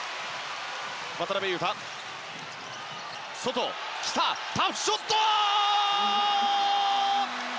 渡邊雄太外、来たタフショット！